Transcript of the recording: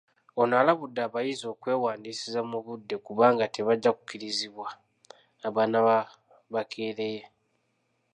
Ono alabudde abayizi okwewandiisiza mu budde kubanga tebajja kukkirizibwa abanaaba bakeereye.